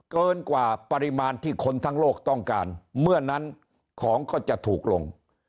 เกินกว่าปริมาณที่คนทั้งโลกต้องการเมื่อนั้นของก็จะถูกลง